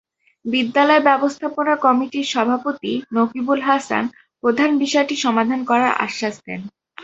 বিদ্যালয় ব্যবস্থাপনা কমিটির সভাপতি নকিবুল হাসান প্রধান বিষয়টি সমাধান করার আশ্বাস দেন।